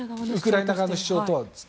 ウクライナ側の主張では。